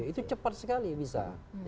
itu cepat sekali bisa